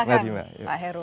silakan pak heru